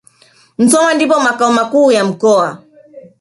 Musoma ndipo makao makuu ya mkoa